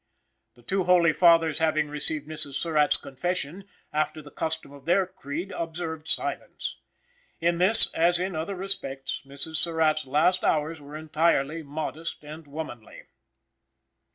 The two holy fathers having received Mrs. Surratt's confession, after the custom of their creed observed silence. In this, as in other respects, Mrs. Surratt's last hours were entirely modest and womanly.